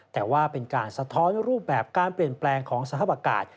แต่ว่าเป็นการสะท้อนรูปแบบการเปลี่ยนแปลงของสภาพอากาศ